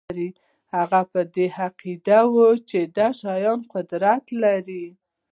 هغوی په دې عقیده وو چې دا شیان قدرت لري